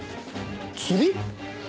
釣り？